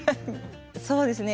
そうですね。